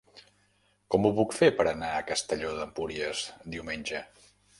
Com ho puc fer per anar a Castelló d'Empúries diumenge?